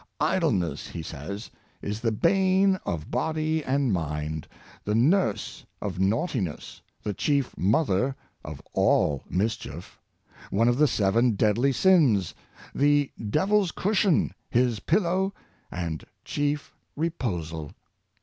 " Idleness,'^ he says, " is the bane of body and mind, the nurse of naughtiness, the chief mother of all mischief, one of the seven deadly sins, the devil's cushion, his pillow and chief reposal.